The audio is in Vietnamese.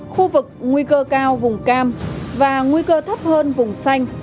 khu vực nguy cơ cao vùng cam và nguy cơ thấp hơn vùng xanh